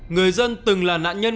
người dân từng là nạn nhân